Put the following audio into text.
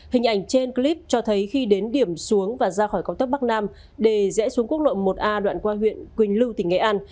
hình ảnh trên clip cho thấy khi đến điểm xuống và ra khỏi cao tốc bắc nam để rẽ xuống quốc lộ một a đoạn qua huyện quỳnh lưu tỉnh nghệ an